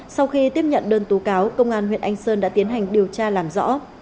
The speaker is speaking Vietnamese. sau khi tiếp nhận đơn tố cáo công an huyện anh sơn đã tiến hành điều tra làm rõ